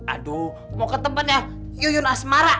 aduh mau ke tempatnya yuyun asmara